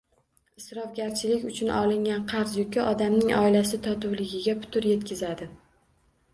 Isrofgarchilik uchun olingan qarz yuki odamning oilasi totuvligiga putur yetkazadi.